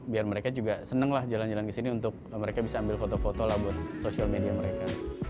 biar mereka juga senang lah jalan jalan ke sini untuk mereka bisa ambil foto foto lah buat social media mereka